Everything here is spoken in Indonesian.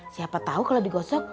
siapa tau kalau digoncong